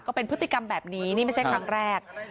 ก็เป็นพฤติกรรมแบบนี้นี่ไม่ใช่ครั้งแรก